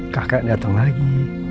kakak dateng lagi